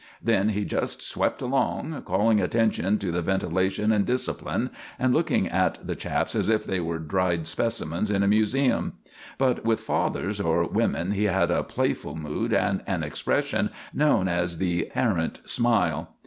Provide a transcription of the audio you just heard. Then he just swept along, calling attention to the ventilation and discipline, and looking at the chaps as if they were dried specimens in a museum; but with fathers or women he had a playful mood and an expression known as the "parent smile."